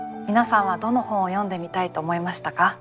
皆さんはどの本を読んでみたいと思いましたか？